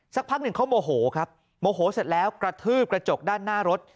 สักพักหนึ่งเขาโมโหครับโมโหเสร็จแล้วกระทืบกระจกด้านหน้ารถ